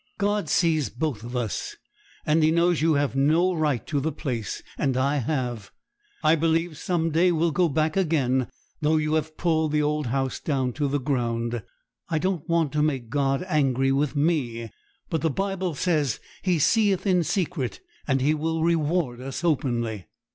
'God sees both of us; and He knows you have no right to the place, and I have. I believe some day we'll go back again, though you have pulled the old house down to the ground. I don't want to make God angry with me. But the Bible says He seeth in secret, and He will reward us openly.'